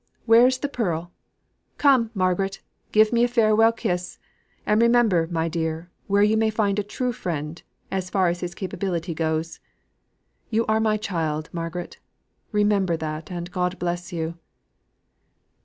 Where's the Pearl. Come, Margaret, give me a farewell kiss; and remember, my dear, where you may find a true friend, as far as his capability goes. You are my child, Margaret. Remember that, and God bless you!"